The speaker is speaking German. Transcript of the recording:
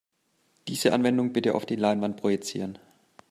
Diese Anwendung bitte auf die Leinwand projizieren.